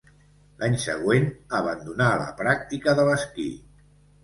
L'any següent abandonà la pràctica de l'esquí.